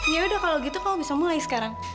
yaudah kalau gitu kamu bisa mulai sekarang